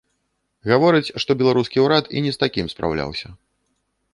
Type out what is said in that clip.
Гаворыць, што беларускі ўрад і не з такім спраўляўся.